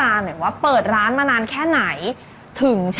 การที่บูชาเทพสามองค์มันทำให้ร้านประสบความสำเร็จ